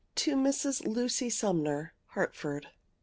TO MRS. LUCY SUMNER. HARTFORD.